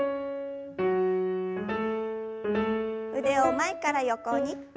腕を前から横に。